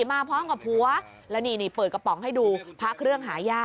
มาพร้อมกับผัวแล้วนี่เปิดกระป๋องให้ดูพระเครื่องหาย่า